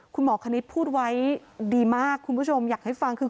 คุณหมอคณิตพูดไว้ดีมากคุณผู้ชมอยากให้ฟังคือ